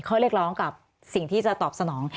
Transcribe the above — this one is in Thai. ข้อเรียกร้องกับสิ่งที่จะตอบสนอง